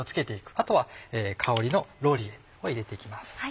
あとは香りのローリエを入れて行きます。